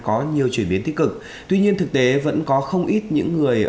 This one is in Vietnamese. có nhiều chuyển biến tích cực tuy nhiên thực tế vẫn có không ít những người